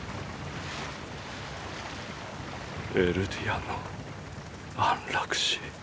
エルディアの安楽死。